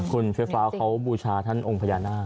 คุณเฟี้ยฟ้าเขาบูชาท่านองค์พญานาค